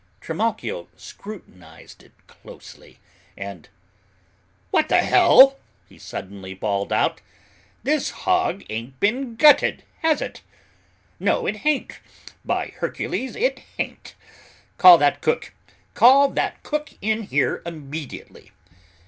Trimalchio scrutinized it closely and "What the hell," he suddenly bawled out, "this hog hain't been gutted, has it? No, it hain't, by Hercules, it hain't! Call that cook! Call that cook in here immediately!"